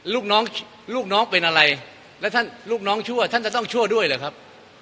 ลูกน้องลูกน้องเป็นอะไรแล้วท่านลูกน้องชั่วท่านจะต้องชั่วด้วยเหรอครับ